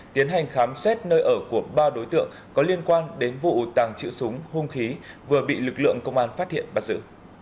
tiến hành khám xét nơi ở của ba đối tượng có liên quan đến vụ tàng trữ súng hung khí vừa bị lực lượng công an phát hiện bắt giữ